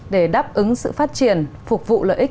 để đáp ứng sự phát triển phục vụ lợi ích